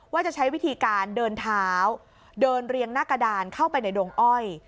ว่าจะใช้วิธีการเดินเท้าเดินเรียงหน้ากระดานเข้าไปในดงอ้อย